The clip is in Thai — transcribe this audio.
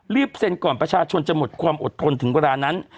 เซ็นก่อนประชาชนจะหมดความอดทนถึงเวลานั้น